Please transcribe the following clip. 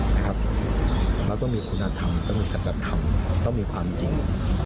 แล้วก็ต้องมีคุณธรรมต้องมีศักดิ์ธรรมต้องมีความจริง